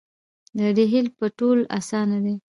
د ډهل پټول اسانه دي .